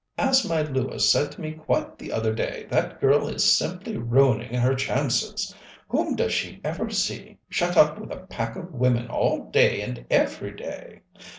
As my Lewis said to me quite the other day, that girl is simply ruining her chances. Whom does she ever see, shut up with a pack of women all day and every day?